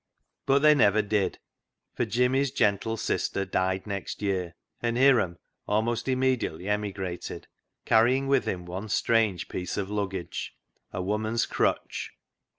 But they never did, for Jimmy's gentle sister died next year, and Hiram almost im mediately emigrated, carrying with him one strange piece of luggage : a woman's crutch.